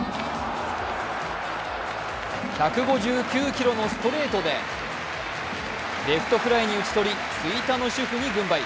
１５９キロのストレートでレフトフライに打ち取り、吹田の主婦に軍配。